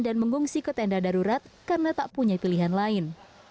dan mengungsi ke tenda darurat karena tak punya pilihan lain